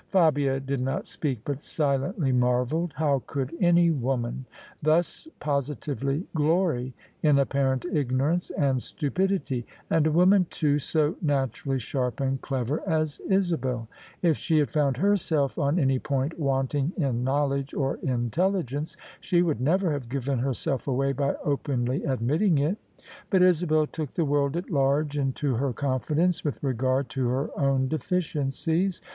Fabia did not speak, but silently marvelled. How could any woman thus positively glory in apparent ignorance and stupidity — ^and a woman, too, so naturally sharp and clever as Isabel ? If she had found herself on any point wanting in knowledge or intelligence, she would never have given herself away by openly admitting it: but Isabel took the world at large into her confidence with regard to her own deficiencies.